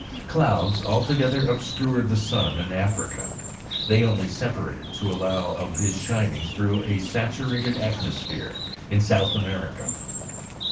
Clouds altogether obscured the sun in Africa; they only separated to allow of his shining through a saturated atmosphere in South America.